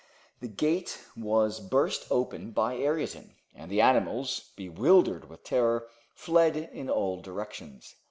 The gate was burst open by Ayrton, and the animals, bewildered with terror, fled in all directions.